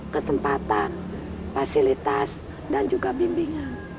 kesempatan fasilitas dan juga bimbingan